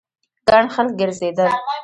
ګڼ خلک ګرځېدل.